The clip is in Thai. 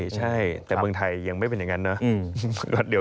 ใช่แต่เมืองไทยยังไม่เป็นอย่างนั้นเนาะ